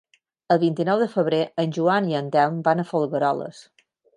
El vint-i-nou de febrer en Joan i en Telm van a Folgueroles.